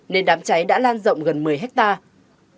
nên đám cháy đã lan rộng gần một mươi hectare